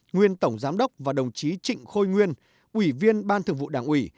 nguyên tổng giám đốc và đồng chí trịnh khôi nguyên ủy viên ban thường vụ đảng ủy